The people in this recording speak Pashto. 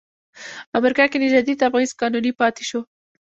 امریکا کې نژادي تبعیض قانوني پاتې شو.